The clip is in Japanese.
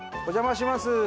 お邪魔します。